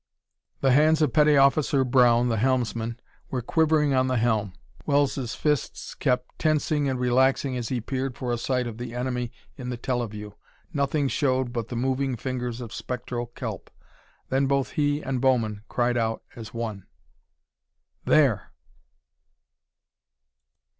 The hands of Petty Officer Brown, the helmsman, were quivering on the helm. Wells' fists kept tensing and relaxing as he peered for a sight of the enemy in the teleview. Nothing showed but the moving fingers of spectral kelp. Then both he and Bowman cried out as one: "_There!